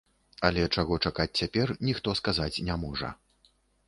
Але чаго чакаць цяпер, ніхто сказаць не можа.